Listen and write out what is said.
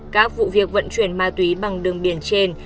các vụ việc vận chuyển ma túy bằng đường biển trên